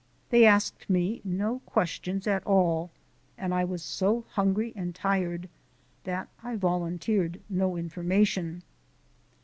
They asked me no questions at all, and I was so hungry and tired that I volunteered no information.